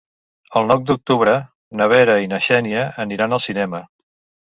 El nou d'octubre na Vera i na Xènia aniran al cinema.